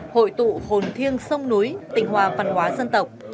hội tụ hồn thiêng sông núi tình hòa văn hóa dân tộc